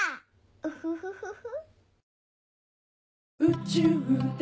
ウフフフフ。